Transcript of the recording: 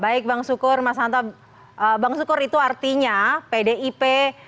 bang sukur itu artinya pdip